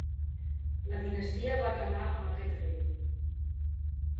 La dinastia va acabar amb aquest rei.